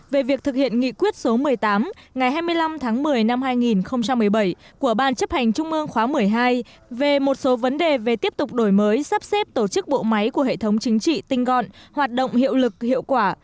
về việc thực hiện nghị quyết số một mươi tám ngày hai mươi năm tháng một mươi năm hai nghìn một mươi bảy của ban chấp hành trung mương khóa một mươi hai về một số vấn đề về tiếp tục đổi mới sắp xếp tổ chức bộ máy của hệ thống chính trị tinh gọn hoạt động hiệu lực hiệu quả